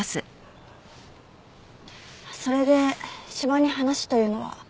それで斯波に話というのは？